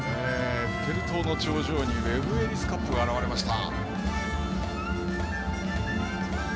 エッフェル塔の頂上にウェブ・エリス・カップが現れました。